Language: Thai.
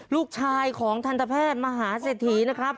ลูกชายของทันตแพทย์มหาเศรษฐีนะครับ